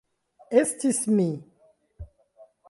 Estis mi.